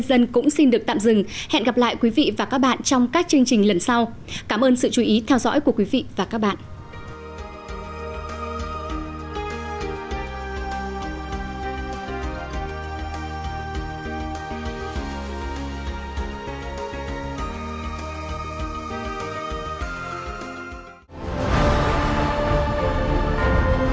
hãy đăng ký kênh để ủng hộ kênh của chúng mình nhé